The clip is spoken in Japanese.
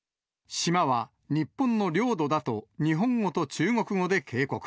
島は日本の領土だと、日本語と中国語で警告。